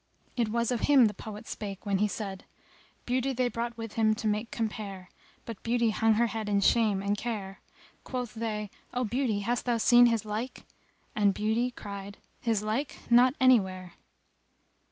[FN#265] It was of him the poet spake when he said:— Beauty they brought with him to make compare, * But Beauty hung her head in shame and care: Quoth' they, "O Beauty, hast thou seen his like?" * And Beauty cried, "His like? not anywhere!"